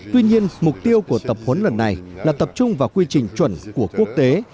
tuy nhiên mục tiêu của tập huấn lần này là tập trung vào quy trình chuẩn của quốc tế